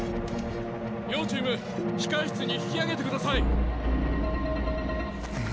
両チーム控え室に引き揚げてください。